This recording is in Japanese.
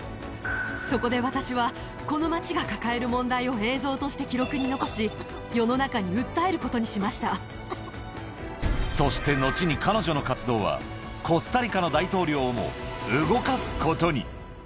そこで私は、この街が抱える問題を映像として記録に残し、世の中に訴えることそして後に彼女の活動は、コスタリカの大統領をも動かすことに。